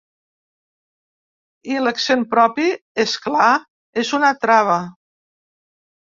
I l’accent propi, és clar, en una trava.